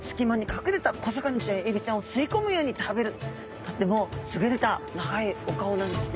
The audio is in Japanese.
とっても優れた長いお顔なんですね。